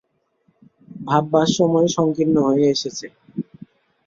ভাববার সময় সংকীর্ণ হয়ে এসেছে।